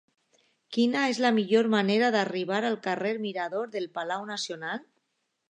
Quina és la millor manera d'arribar al carrer Mirador del Palau Nacional?